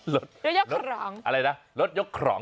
รถยกของอะไรนะรถยกของ